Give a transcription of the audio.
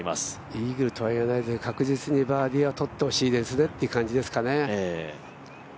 イーグルとは言わないけど確実にバーディーはとってほしいという感じですね。